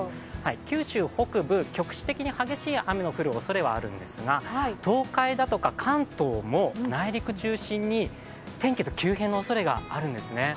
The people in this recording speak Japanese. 九州北部、局地的に激しい雨の降るおそれはあるんですが、東海だとか関東も内陸中心に天気の急変のおそれがあるんですね。